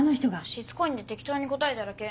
しつこいんで適当に答えただけ。